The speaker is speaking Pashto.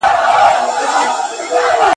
چي هيڅوک یې ښخ نه کړای سي